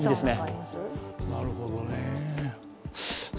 なるほどね。